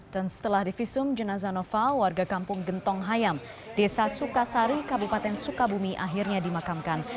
dan setelah divisum jenazah noval warga kampung gentong hayam desa sukasari kabupaten sukabumi akhirnya dimakamkan